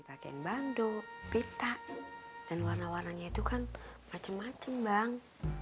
dipakein bandu pita dan warna warnanya itu kan macem macem bang